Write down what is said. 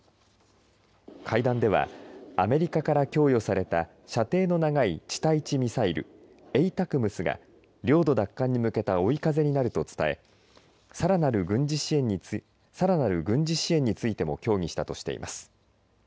会談ではアメリカから供与された射程の長い地対地ミサイルＡＴＡＣＭＳが領土奪還に向けた追い風になると伝えさらなる軍事支援についても協議したとしています。